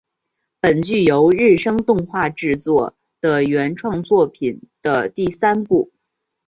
本剧由日升动画制作的原创作品的第三部。